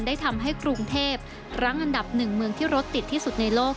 ได้ทำให้กรุงเทพรั้งอันดับหนึ่งเมืองที่รถติดที่สุดในโลก